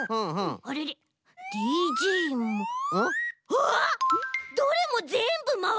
あっどれもぜんぶまわるものだ！